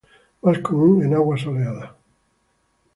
Más común en aguas soleadas.